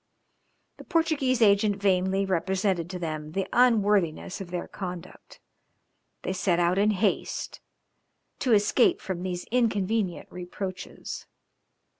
The Portuguese agent vainly represented to them the unworthiness of their conduct, they set out in haste, to escape from these inconvenient reproaches.